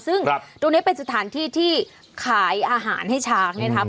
ซึ่งตรงนี้เป็นสถานที่ที่ขายอาหารให้ช้าง